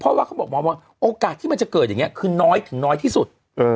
เพราะว่าเขาบอกหมอมองว่าโอกาสที่มันจะเกิดอย่างนี้คือน้อยถึงน้อยที่สุด